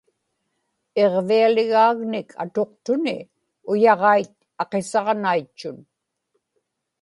iġvialigaagnik atuqtuni uyaġait aqisaġnaitchut